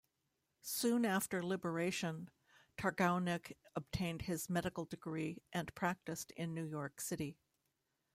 Soon after liberation, Targownik obtained his medical degree and practiced in New York City.